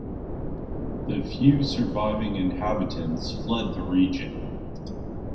The few surviving inhabitants fled the region.